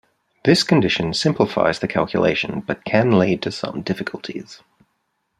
This condition simplifies the calculation but can lead to some difficulties.